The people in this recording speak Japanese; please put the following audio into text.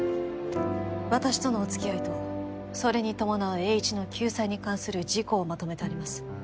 私とのお付き合いとそれに伴うエーイチの救済に関する事項をまとめてあります